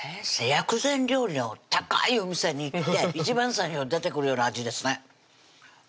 薬膳料理の高いお店に行って一番最初に出てくるような味ですね